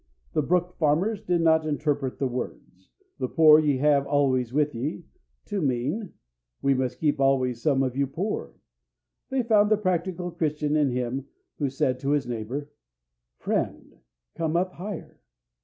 The Brook Farmers did not interpret the words, "The poor ye have always with ye" to mean, "We must keep always some of you poor." They found the practical Christian in him who said to his neighbor, "Friend, come up higher."